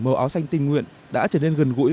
mờ áo xanh tình nguyện đã trở nên gần gũi